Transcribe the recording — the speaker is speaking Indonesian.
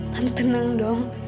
tante tenang dong